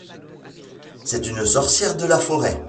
C'est une sorcière de la forêt.